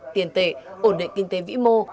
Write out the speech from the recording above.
tiền tệ ổn định kinh tế vĩ mô